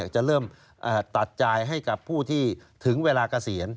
จะเริ่มตัดจ่ายให้กับผู้ที่ถึงเวลาเกษียณ